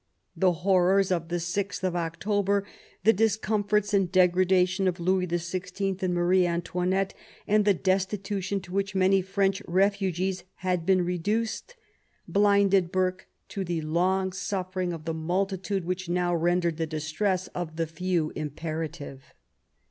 The horrors of the 6th of October, the dis comforts and degradation of Louis XYI. and Marie Antoinette, and the destitution to which many French refugees had been reduced, blinded Burke to the long suffering of the multitude which now rendered the distress of the few imperative.